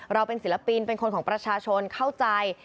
เราเป็นศิลปินเป็นคนของประชาชนเข้าใจ